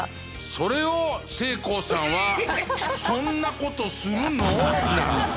それをせいこうさんはそんな事するの？なんて。